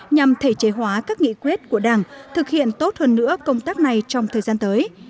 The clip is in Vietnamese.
nhằm thể chế hóa các nghị quyết của đảng thực hiện tốt hơn nữa công tác này trong thời gian tới